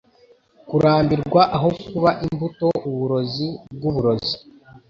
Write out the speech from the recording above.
kurambirwa aho kuba imbuto uburozi bwuburozi